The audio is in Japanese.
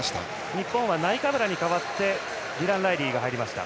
日本はナイカブラに代わってディラン・ライリーが入りました。